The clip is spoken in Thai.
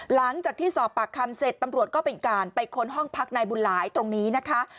หลังจากที่สอบปากคำเสร็จตำรวจก็เป็นการไปค้นห้องพักนายบุญหลายตรงนี้นะคะ